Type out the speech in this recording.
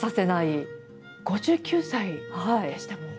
５９歳でしたもんね。